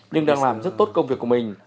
nhưng đang làm rất tốt công việc của mình